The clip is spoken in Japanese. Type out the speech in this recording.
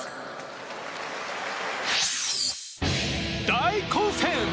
大混戦！